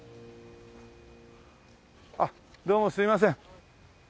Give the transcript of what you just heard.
あっどうもすみません。